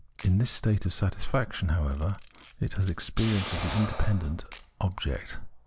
In this state of satisfaction, however, it has ex perience of the independence of its object.